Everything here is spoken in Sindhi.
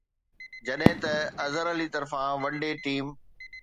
جڏهن ته اظهر علي طرفان ون ڊي ٽيم